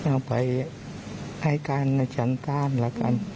เอาไปให้การจำกล้ามละกัน